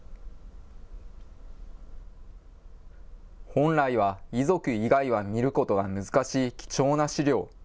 本来は遺族以外は見ることが難しい貴重な資料。